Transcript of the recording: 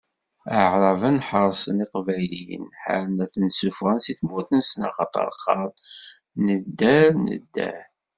Aɛraben ḥeṛsen Iqbayliyen, ḥaren ad ten-ssufɣen si tmurt-nsen, axaṭer qqaren: Nedder, nedder!